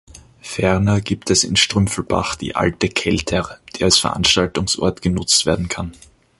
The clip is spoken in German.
Ferner gibt es in Strümpfelbach die "Alte Kelter", die als Veranstaltungsort genutzt werden kann.